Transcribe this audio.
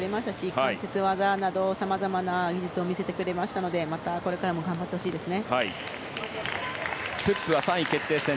関節技など、さまざまな技術を見せてくれましたのでまたこれからも頑張ってほしいですね。